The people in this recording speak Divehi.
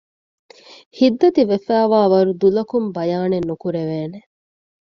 ހިތްދަތި ވެފައިވާވަރު ދުލަކުން ބަޔާނެއް ނުކުރެވޭނެ